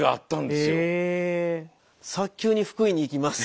早急に福井に行きます。